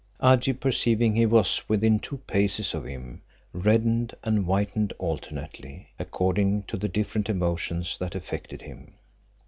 Agib, perceiving he was within two paces of him, reddened and whitened alternately, according to the different emotions that affected him.